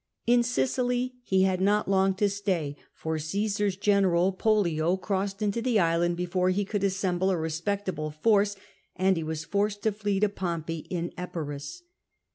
In Sicily he had not long to stay, for Caesar's general Pollio crossed into the island before he could assemble a respectable force, and he was forced to fly to Pompey in Epirus.